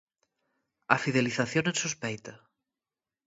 A fidelización en sospeita...